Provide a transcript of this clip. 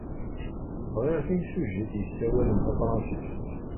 Bɣiɣ timsujjit yessawalen tafṛansit.